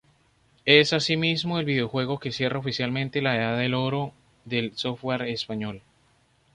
Es asimismo el videojuego que cierra oficialmente la edad de oro del software español.